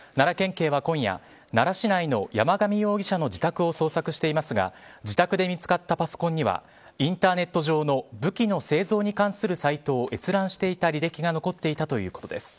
警は今夜、奈良市内の山上容疑者の自宅を捜索していますが自宅で見つかったパソコンにはインターネット上の武器の製造に関するサイトを閲覧していた履歴が残っていたということです。